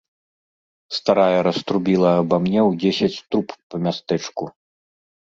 Старая раструбіла аба мне ў дзесяць труб па мястэчку.